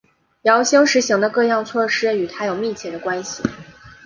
姚兴实行的各项措施与他有密切的关系。